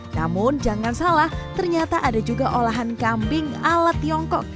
namun jangan salah ternyata ada juga olahan kambing ala tiongkok